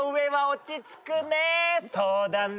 そうだね。